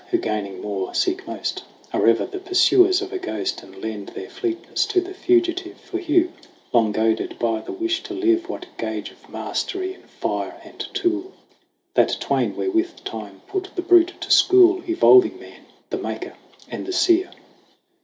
Who gaining more, seek most, Are ever the pursuers of a ghost And lend their fleetness to the fugitive. For Hugh, long goaded by the wish to live, What gage of mastery in fire and tool ! That twain wherewith Time put the brute to school, Evolving Man, the maker and the seer.